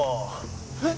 えっ！？